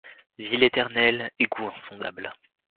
Ville éternelle, égout insondable.